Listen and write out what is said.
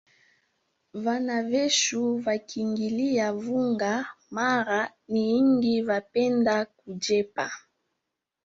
Vana vechu vakingilia vunga mara niingi vapenda kujepa.